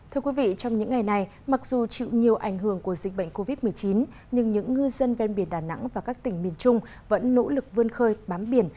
thưa quý vị trong những ngày này mặc dù chịu nhiều ảnh hưởng của dịch bệnh covid một mươi chín nhưng những ngư dân ven biển đà nẵng và các tỉnh miền trung vẫn nỗ lực vươn khơi bám biển